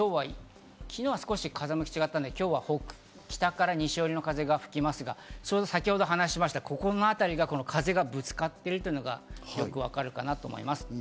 昨日は少し風向きが違ったので今日は北から西よりの風が吹きますが、先ほど話したここの辺り、風がぶつかっているのがよくわかるかなと思います。